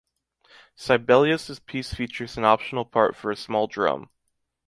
Sibelius’ piece features an optional part for a small drum.